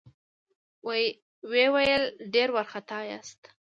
ويې ويل: ډېر وارخطا ياست؟